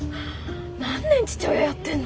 何年父親やってんの？